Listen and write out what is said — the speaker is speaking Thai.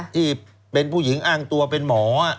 ที่เป็นผู้หญิงอ้างตัวเป็นหมอ